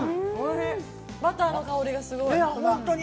バターの香りがすごい。